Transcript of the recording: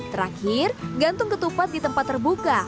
terakhir gantung ketupat di tempat terbuka